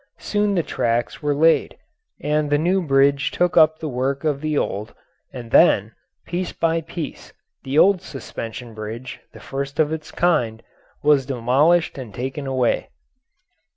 Soon the tracks were laid, and the new bridge took up the work of the old, and then, piece by piece, the old suspension bridge, the first of its kind, was demolished and taken away.